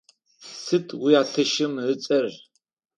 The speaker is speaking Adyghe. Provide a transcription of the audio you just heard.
Сыд уятэщым ыцӏэр?